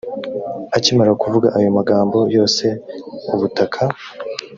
akimara kuvuga ayo magambo yose ubutaka